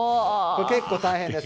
結構、大変です。